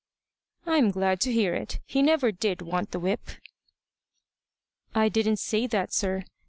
"I'm glad to hear it. He never did want the whip." "I didn't say that, sir.